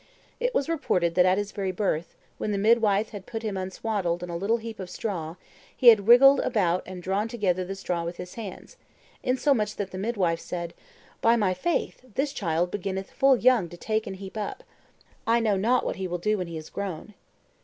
It was reported that at his very birth, when the midwife had put him unswaddled on a little heap of straw, he had wriggled about and drawn together the straw with his hands, insomuch that the midwife said, "By my faith, this child beginneth full young to take and heap up: I know not what he will not do when he is grown."